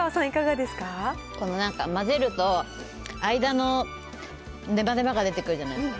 なんか混ぜると、間のねばねばが出てくるじゃないですか。